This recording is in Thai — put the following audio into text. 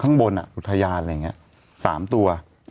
ข้างบนอุทยานอะไรอย่างนี้๓ตัว